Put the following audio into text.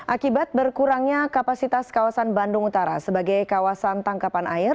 akibat berkurangnya kapasitas kawasan bandung utara sebagai kawasan tangkapan air